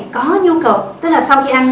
có nhu cầu tức là sau khi ăn